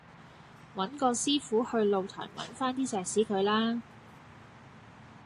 搵個師傅去露台忟番啲石屎佢啦